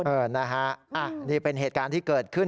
นะฮะนี่เป็นเหตุการณ์ที่เกิดขึ้น